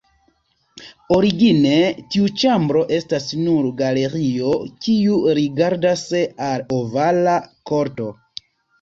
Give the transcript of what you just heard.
Origine, tiu ĉambro estas nur galerio kiu rigardas al Ovala Korto.